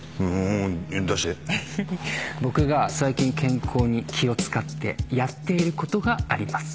僕が最近健康に気を使ってやっていることがあります